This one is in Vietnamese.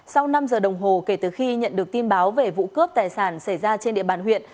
sau năm giờ đồng hồ kể từ khi nhận được tin báo về vụ cướp tài sản xảy ra trên địa bàn huyện